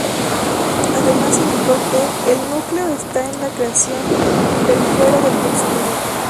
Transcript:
Además, indicó que “el núcleo está en la creación del fuero del consumidor.